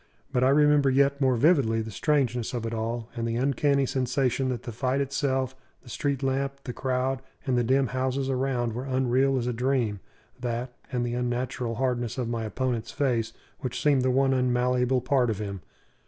But I remember yet more vividly the strangeness of it all, and the uncanny sensation that the fight itself, the street lamp, the crowd, and the dim houses around were unreal as a dream: that, and the unnatural hardness of my opponent's face, which seemed the one unmalleable part of him.